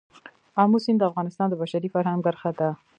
آمو سیند د افغانستان د بشري فرهنګ برخه ده.